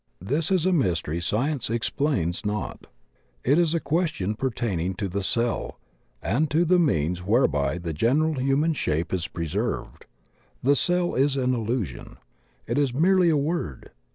This is a mystery science explains not; it WHAT LIFE IS 37 is a question pertaining to the cell and to the means whereby the general human shape is preserved. The "ceU" is an illusion. It is merely a word.